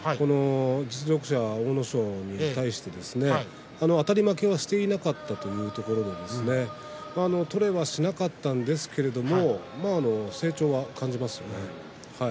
実力者の阿武咲に対してあたり負けはしていなかったっていうところで取れはしなかったんですけれども成長を感じますね。